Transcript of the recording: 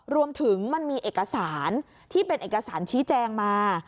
มันมีเอกสารที่เป็นเอกสารชี้แจงมา